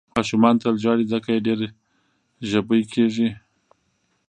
ماشومان تل ژاړي، ځکه یې ډېر ژبۍ کېږي.